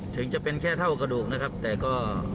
ถึงจะเป็นแค่เท่ากระดูกนะครับแต่ก็